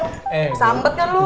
kesambet kan lo